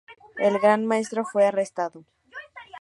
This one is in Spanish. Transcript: El gran maestro fue arrestado.